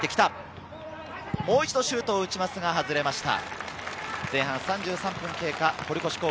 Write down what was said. もう一度、シュートを打ちますが外れました。